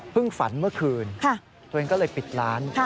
ฝันเมื่อคืนตัวเองก็เลยปิดร้าน